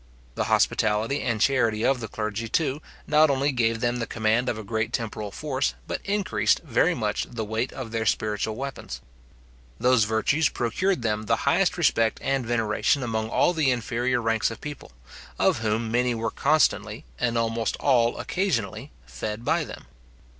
The hospitality and charity of the clergy, too, not only gave them the command of a great temporal force, but increased very much the weight of their spiritual weapons. Those virtues procured them the highest respect and veneration among all the inferior ranks of people, of whom many were constantly, and almost all occasionally, fed by them.